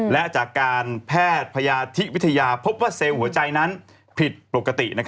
และจากการแพทย์พยาธิวิทยาพบว่าเซลล์หัวใจนั้นผิดปกติ